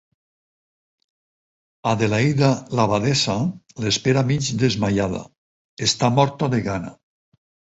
Adelaida, l’abadessa, l’espera mig desmaiada; està morta de gana...